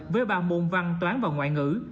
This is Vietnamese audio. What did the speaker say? với ba môn văn toán và ngoại ngữ